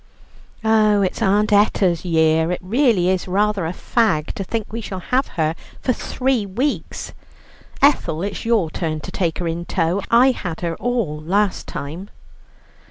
"Oh, it's Aunt Etta's year; it really is rather a fag to think we shall have her for three weeks. Ethel, it's your turn to take her in tow; I had her all last time."